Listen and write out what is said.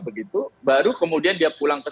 begitu baru kemudian dia pulang ke